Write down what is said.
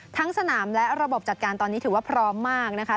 ทั้งสนามและระบบจัดการตอนนี้ถือว่าพร้อมมากนะคะ